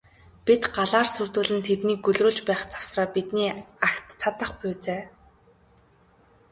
Бид галаар сүрдүүлэн тэднийг гөлрүүлж байх завсраа бидний агт цадах буй за.